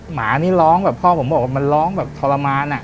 หมานี่ร้องแบบพ่อผมบอกว่ามันร้องแบบทรมานอะ